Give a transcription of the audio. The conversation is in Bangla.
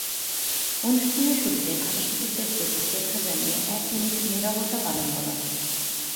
অনুষ্ঠানের শুরুতে ভাষাশহীদদের প্রতি শ্রদ্ধা জানিয়ে এক মিনিট নীরবতা পালন করা হয়।